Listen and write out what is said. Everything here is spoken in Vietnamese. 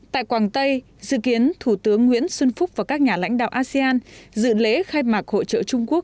tại quảng tây dự kiến thủ tướng nguyễn xuân phúc và các nhà lãnh đạo asean dự lễ khai mạc hội trợ trung quốc